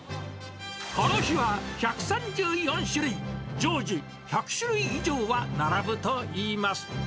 この日は１３４種類、常時１００種類以上は並ぶといいます。